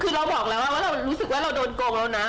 คือเราบอกแล้วแล้วเรารู้สึกว่าเราโดนโกงแล้วนะ